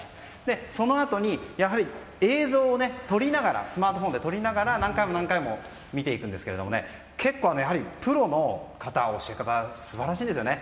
そのあとに、映像を撮りながらスマートフォンで撮りながら何回も何回も見ていくんですが結構、プロの方教え方素晴らしいですね。